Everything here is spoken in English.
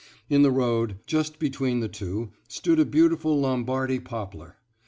In the road, just between the two, stood a beautiful Lombardy poplar.